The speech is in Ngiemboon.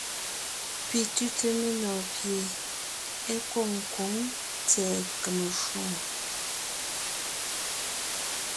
Pi tʉ́te menɔɔn pie é kwôŋ kwǒŋ tsɛ̀ɛ kème shwòŋo.